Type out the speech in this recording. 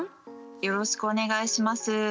よろしくお願いします。